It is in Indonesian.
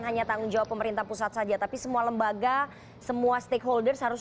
hanya tanggung jawab pemerintah pusat saja tapi semua lembaga semua stakeholders harus